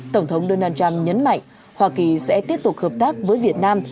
tổng thống donald trump nhấn mạnh hoa kỳ sẽ tiếp tục hợp tác với việt nam